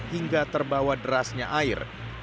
hingga terbawa derasnya air